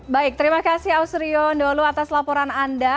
baik terima kasih ausrio ndolo atas laporan anda